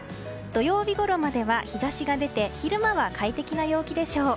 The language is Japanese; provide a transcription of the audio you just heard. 土曜日ごろまでは日差しが出て昼間は快適な陽気でしょう。